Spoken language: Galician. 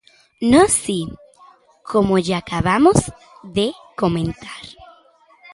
Nós si, como lle acabamos de comentar.